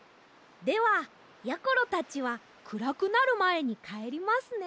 ではやころたちはくらくなるまえにかえりますね。